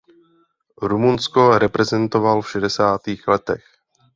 Rumunsko reprezentoval v šedesátých letech.